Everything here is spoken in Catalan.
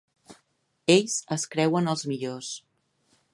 Ells es creuen els millors.